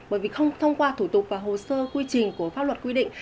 bởi vì không thông qua thủ tục và hồ sơ quy trình của pháp luật quy định